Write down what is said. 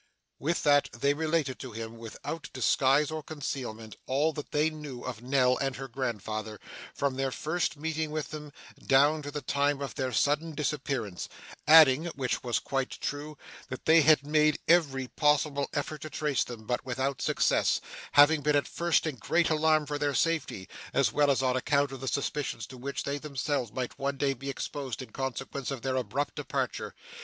With that, they related to him, without disguise or concealment, all that they knew of Nell and her grandfather, from their first meeting with them, down to the time of their sudden disappearance; adding (which was quite true) that they had made every possible effort to trace them, but without success; having been at first in great alarm for their safety, as well as on account of the suspicions to which they themselves might one day be exposed in consequence of their abrupt departure.